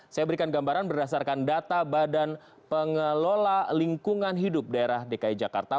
saya berikan gambaran berdasarkan data badan pengelola lingkungan hidup daerah dki jakarta